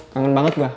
kangen banget gua